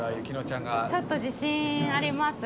ちょっと自信あります。